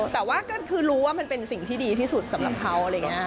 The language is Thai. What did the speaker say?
แต่ว่าคือรู้ว่ามันเป็นสิ่งที่ดีที่สุดสำหรับเขา